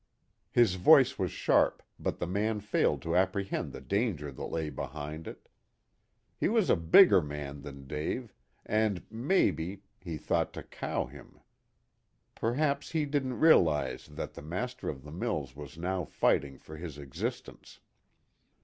His voice was sharp, but the man failed to apprehend the danger that lay behind it. He was a bigger man than Dave, and, maybe, he thought to cow him. Perhaps he didn't realize that the master of the mills was now fighting for his existence.